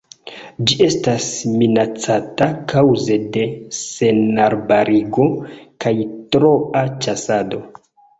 Ĝi estas minacata kaŭze de senarbarigo kaj troa ĉasado.